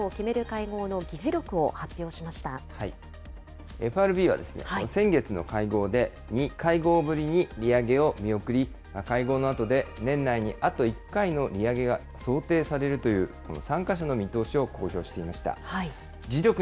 会合の議事録をＦＲＢは先月の会合で、２会合ぶりに利上げを見送り、会合のあとで年内にあと１回の利上げが想定されるという参加者の見通しを公表していました。